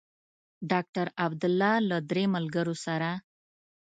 ډاکټر عبدالله له درې ملګرو سره.